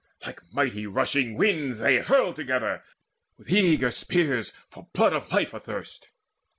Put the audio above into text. Like mighty rushing winds they hurled together With eager spears for blood of life athirst.